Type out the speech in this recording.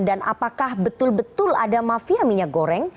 apakah betul betul ada mafia minyak goreng